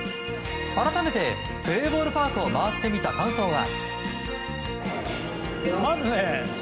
改めてプレーボールパークを回ってみた感想は？